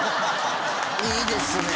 いいですね。